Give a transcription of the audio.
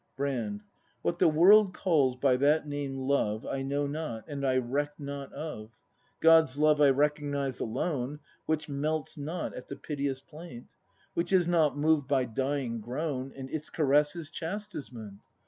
Brand. What the world calls by that name "Love,' I know not and I reck not of. God's love I recognise alone. Which melts not at the piteous plaint. Which is not moved by dying groan. And its caress i s chastisement.